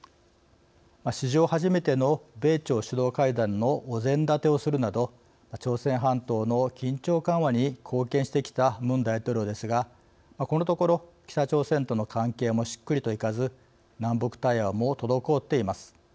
史上初めての米朝首脳会談のお膳立てをするなど朝鮮半島の緊張緩和に貢献してきたムン大統領ですがこのところ北朝鮮との関係もしっくりといかず南北対話も滞っています。